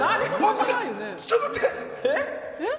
ちょっと待って！